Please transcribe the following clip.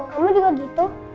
kamu juga gitu